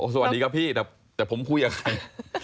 สวัสดีครับพี่แต่ผมคุยกับใคร